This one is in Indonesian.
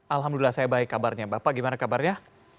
alhamdulillah saya baik kabarnya bapak gimana kabarnya